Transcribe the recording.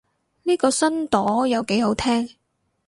呢個新朵又幾好聽